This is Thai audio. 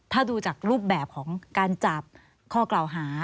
ถ้าดูจากรูปแบบของการจับข้อกล่าวหา